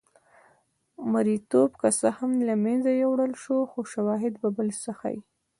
مریتوب که څه هم له منځه یووړل شو خو شواهد بل څه ښيي.